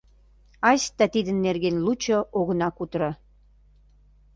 Айста тидын нерген лучо огына кутыро.